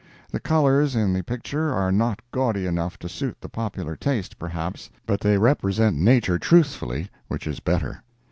The colors in the picture are not gaudy enough to suit the popular taste, perhaps, but they represent nature truthfully, which is better.